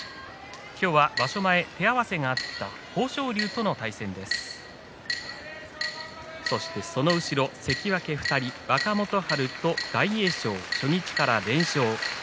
今日は場所前手合わせがあった豊昇龍との対戦その後ろ、関脇２人若元春と大栄翔初日から連勝です。